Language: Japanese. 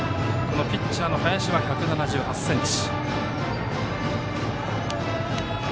ピッチャーの林は１７８ｃｍ。